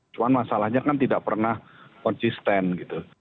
cuma masalahnya kan tidak pernah konsisten gitu